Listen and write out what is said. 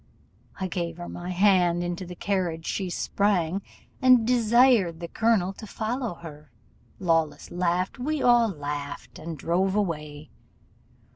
I gave her my hand, into the carriage she sprang, and desired the colonel to follow her: Lawless laughed, we all laughed, and drove away.